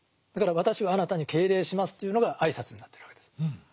だから「私はあなたに敬礼します」というのが挨拶になってるわけです。